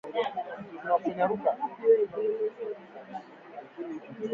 mnamo mwezi Mei